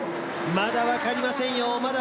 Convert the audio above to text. まだわかりません。